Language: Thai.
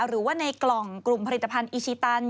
หรือว่าในกล่องกลุ่มผลิตภัณฑ์อีชิตัน